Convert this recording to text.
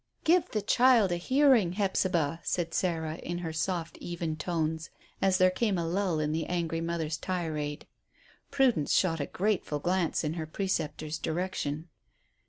"Give the child a hearing, Hephzibah," said Sarah, in her soft even tones, as there came a lull in the angry mother's tirade. Prudence shot a grateful glance in her preceptor's direction.